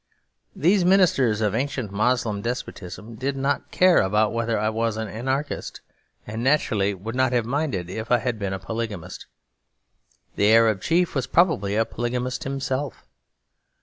These ministers of ancient Moslem despotism did not care about whether I was an anarchist; and naturally would not have minded if I had been a polygamist. The Arab chief was probably a polygamist himself.